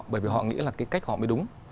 bởi vì họ nghĩ là cái cách họ mới đúng